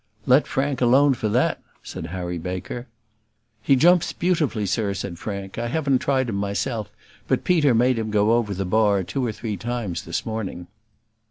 "Let Frank alone for that," said Harry Baker. "He jumps beautifully, sir," said Frank. "I haven't tried him myself, but Peter made him go over the bar two or three times this morning."